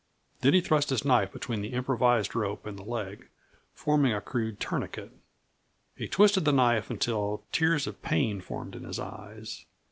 Then he thrust his knife between the improvised rope and the leg, forming a crude tourniquet. He twisted the knife until tears of pain formed in his eyes.